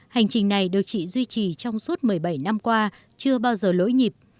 hành trình này được chị duy trì trong suốt một mươi bảy năm qua chưa bao giờ lỗi nhịp